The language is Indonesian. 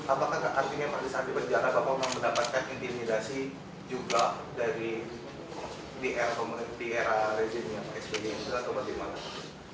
apakah gak artinya pada saat diberi jawab apakah orang mendapatkan intimidasi juga dari dra resimnya